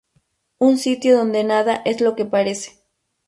Un sitio donde nada es lo que parece.